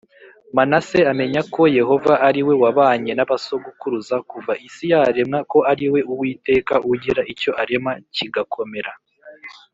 Manase amenya ko Yehova ariwe wabanye nabasogukuruza kuva isi yaremwa ko ariwe Uwiteka ugira icyo arema kigakomera.